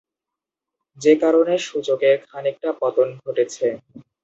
যে কারণে সূচকের খানিকটা পতন ঘটেছে।